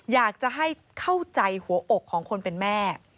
อยากจะให้เข้าใจหัวอกของคนเป็นแม่